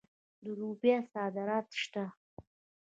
د لوبیا صادرات شته.